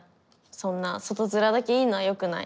そんな外面だけいいのは良くない。